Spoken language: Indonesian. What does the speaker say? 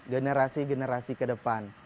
generasi generasi ke depan